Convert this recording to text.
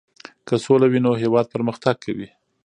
که سوله وي نو هېواد پرمختګ کوي.